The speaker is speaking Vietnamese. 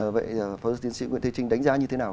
vậy pháp luật tiến sĩ nguyễn thế trinh đánh giá như thế nào